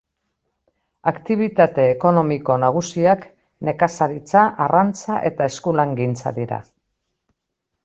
Aktibitate ekonomiko nagusiak nekazaritza, arrantza eta eskulangintza dira.